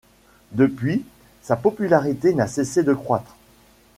Depuis, sa popularité n'a cessé de croître.